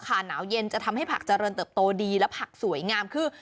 หนาวเย็นจะทำให้ผักเจริญเติบโตดีและผักสวยงามคือ